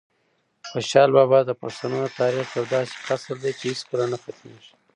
خوشحال بابا د پښتنو د تاریخ یو داسې فصل دی چې هیڅکله نه ختمېږي.